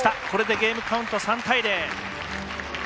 これでゲームカウント３対０。